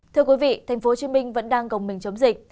thưa quý vị tp hcm vẫn đang gồng mình chống dịch